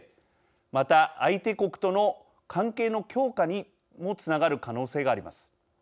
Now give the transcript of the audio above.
また、相手国との関係の強化にもつながる可能性があります。